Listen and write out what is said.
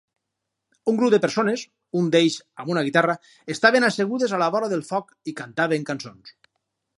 Un grup de persones, un d'ells amb una guitarra, estaven assegudes a la vora del foc i cantaven cançons.